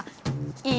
いい？